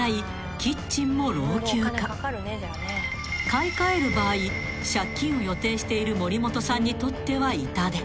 ［買い替える場合借金を予定している森本さんにとっては痛手］